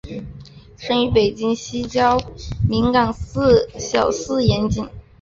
生于北京西郊民巷小四眼井。